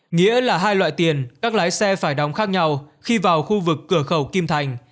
nghĩa là hai loại tiền các lái xe phải đóng khác nhau khi vào khu vực cửa khẩu kim thành